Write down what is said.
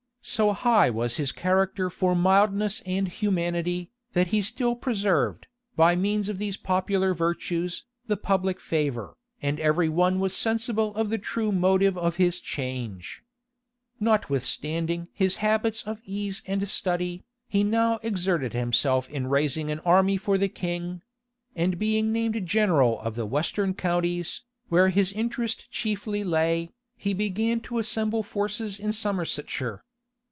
So high was his character for mildness and humanity, that he still preserved, by means of these popular virtues, the public favor; and every one was sensible of the true motive of his change. Notwithstanding his habits of ease and study, he now exerted himself in raising an army for the king; and being named general of the western counties, where his interest chiefly lay, he began to assemble forces in Somersetshire.